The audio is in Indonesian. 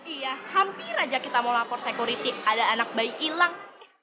iya hampir aja kita mau lapor sekuriti ada anak bayi hilang